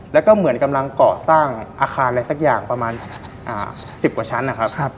แล้วก็เหมือนกำลังเกาะสร้างอาคารอะไรสักอย่างประมาณ๑๐กว่าชั้นนะครับ